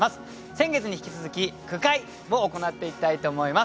先月に引き続き句会を行っていきたいと思います。